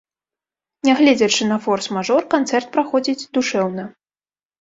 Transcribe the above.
Нягледзячы на форс-мажор, канцэрт праходзіць душэўна.